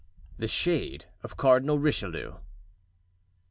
The Shade of Cardinal Richelieu.